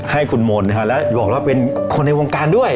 ให้คุณมนต์นะฮะแล้วบอกว่าเป็นคนในวงการด้วย